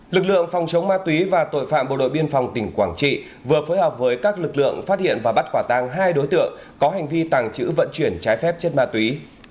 lực lượng phòng chống ma túy và tội phạm bộ đội biên phòng tỉnh quảng trị vừa phối hợp với các lực lượng phát hiện và bắt quả tàng hai đối tượng có hành vi tàng trữ vận chuyển trái phép chất ma túy